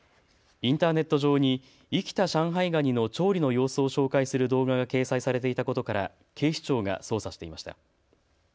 インターネット上に生きた上海ガニの調理の様子を紹介する動画が掲載されていたことから警視庁が捜査していました。